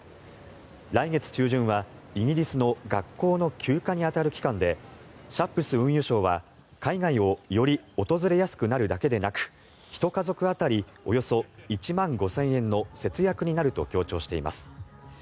来月中旬はイギリスの学校の休暇に当たる期間でシャップス運輸相は海外をより訪れやすくなるだけでなく１家族当たりおよそ１万５０００円の節約になると強調しています。